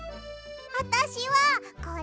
あたしはこれ！